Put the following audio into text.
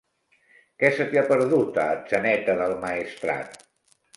Què se t'hi ha perdut, a Atzeneta del Maestrat?